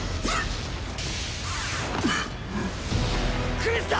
クリスタ⁉